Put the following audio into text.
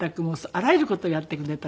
あらゆる事をやってくれた。